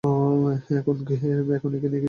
এখন একে নিয়ে কী করবে বলো।